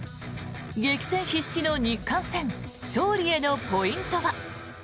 激戦必至の日韓戦勝利へのポイントは。